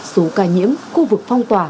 số ca nhiễm khu vực phong tỏa